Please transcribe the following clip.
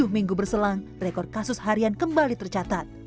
tujuh minggu berselang rekor kasus harian kembali tercatat